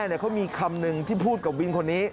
เขามีคำหนึ่งที่พูดกับวินคนนี้